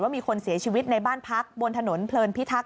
มีคนเสียชีวิตในบ้านพักบนถนนเพลินพิทักษ